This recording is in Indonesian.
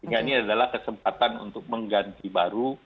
sehingga ini adalah kesempatan untuk mengganti baru